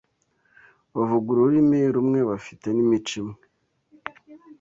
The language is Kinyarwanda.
bavuga ururimi rumwe bafite n’imico imwe